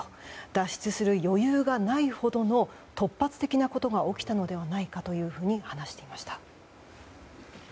脱出する余裕がないほどの突発的なことが起きたのではないかと話していました。